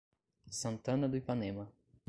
Santana do Ipanema